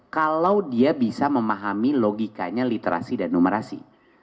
kalau dia bisa memahami logikanya literasi dan numerasi